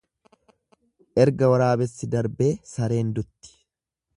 Erga waraabessi darbee sareen dutti.